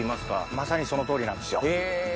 まさにその通りなんですよ。へえ！